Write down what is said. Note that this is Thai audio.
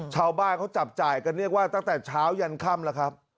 ชาวบ้านเขาจับจ่ายกันเรียกว่าตั้งแต่เช้ายันค่ำแล้วครับ